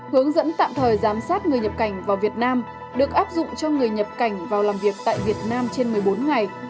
hướng dẫn tạm thời giám sát người nhập cảnh vào việt nam được áp dụng cho người nhập cảnh vào làm việc tại việt nam trên một mươi bốn ngày